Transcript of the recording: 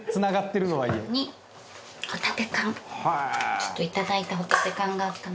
ちょっといただいたホタテ缶があったので。